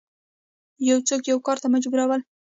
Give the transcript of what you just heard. یو څوک یو کار ته مجبورول